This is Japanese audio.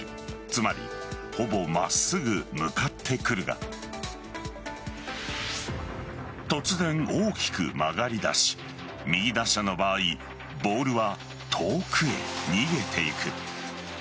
つまりほぼ真っすぐ、向かってくるが突然大きく曲がりだし右打者の場合ボールは遠くへ逃げていく。